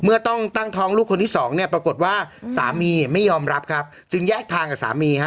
เมื่อต้องตั้งท้องลูกคนที่สองเนี่ยปรากฏว่าสามีไม่ยอมรับครับจึงแยกทางกับสามีฮะ